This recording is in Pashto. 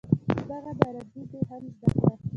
دغه ده عربي دې هم زده کړه.